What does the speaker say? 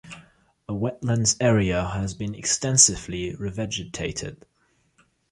A wetlands area has been extensively revegetated.